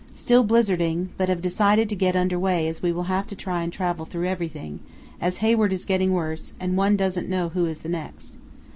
Still blizzarding, but have decided to get under way as we will have to try and travel through everything, as Hayward is getting worse, and one doesn't know who is the next.